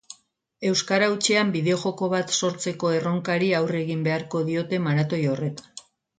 euskara hutsean bideojoko bat sortzeko erronkari aurre egin beharko diote maratoi horretan